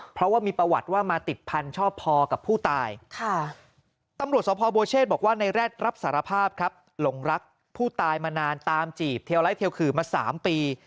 เพราะว่ามีประวัติว่ามาติดพันธุ์ชอบพอกับผู้ตายตำรวจสภบัวเชษบอกว่าในแร็ดรับสารภาพครับหลงรักผู้ตายมานานตามจีบเทียวไลทเทียวขื่อมา๓ปี